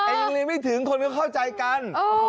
ยังเรียนไม่ถึงคนก็เข้าใจกัน